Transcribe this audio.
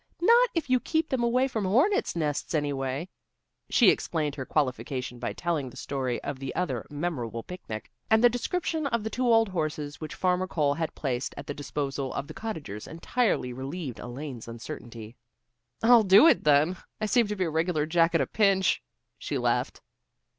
"Not if you keep them away from hornets' nests, anyway." She explained her qualification by telling the story of the other memorable picnic, and the description of the two old horses which Farmer Cole had placed at the disposal of the cottagers entirely relieved Elaine's uncertainty. "I'll do it, then. I seem to be a regular Jack at a pinch," she laughed.